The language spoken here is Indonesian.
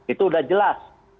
itu sudah jelas